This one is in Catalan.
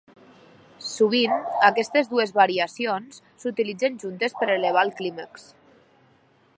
Sovint, aquestes dues variacions s'utilitzen juntes per elevar el clímax.